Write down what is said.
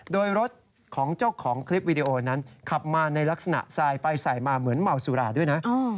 โดยรถของเจ้าของคลิปวิดีโอนั้นขับมาในลักษณะสายไปสายมาเหมือนเมาสุราด้วยนะ